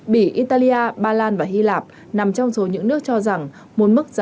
bỉ italia ba lan và hy lạp nằm trong số những nước cho rằng một mức giá trần